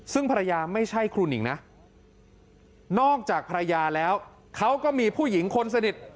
ซึ่งภรรยาไม่ใช่ครูหนิงนะนอกจากภรรยาแล้วเขาก็มีผู้หญิงคนสนิท